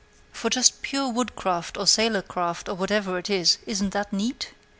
For just pure woodcraft, or sailorcraft, or whatever it is, isn't that neat?